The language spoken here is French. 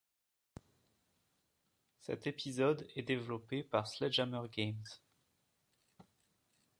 Cet épisode est développé par Sledgehammer Games.